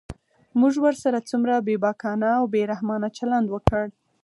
موږ ورسره څومره بېباکانه او بې رحمانه چلند وکړ.